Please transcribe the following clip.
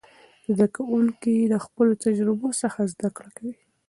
زده کوونکي د خپلو تجربو څخه زده کړه کوي.